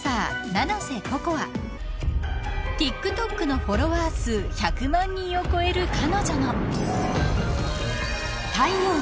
［ＴｉｋＴｏｋのフォロワー数１００万人を超える彼女の］